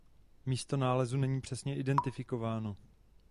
Místo nálezu není přesně identifikováno.